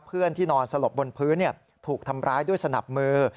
เพื่อนที่นอนสลบบนพื้นถูกทำร้ายด้วยสนับมือ